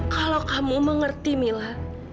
kalau kamu mengerti mila